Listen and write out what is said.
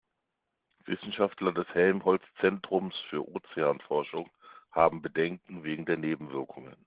Wissenschaftler des Helmholtz-Zentrums für Ozeanforschung haben Bedenken wegen der Nebenwirkungen.